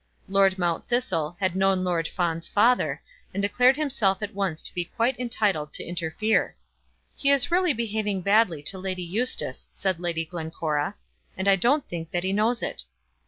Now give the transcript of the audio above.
Lord Mount Thistle had known Lord Fawn's father, and declared himself at once to be quite entitled to interfere. "He is really behaving badly to Lady Eustace," said Lady Glencora, "and I don't think that he knows it."